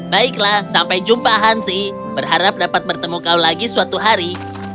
baiklah sampai jumpa hansi berharap dapat bertemu kau lagi suatu hari